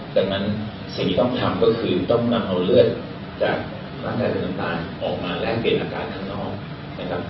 แต่มันสิ่งที่ต้องทำก็คือต้องนำเอาเลือดจากรังกายเกินสัมตาลออกมาและเปลี่ยนอากาศข้างนอก